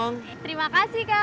federin ada siapin